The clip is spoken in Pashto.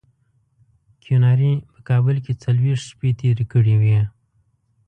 کیوناري په کابل کې څلوېښت شپې تېرې کړې وې.